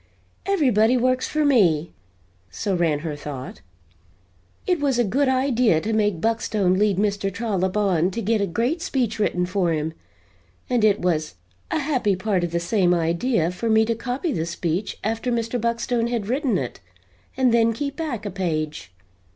"Everybody works for me," so ran her thought. "It was a good idea to make Buckstone lead Mr. Trollop on to get a great speech written for him; and it was a happy part of the same idea for me to copy the speech after Mr. Buckstone had written it, and then keep back a page.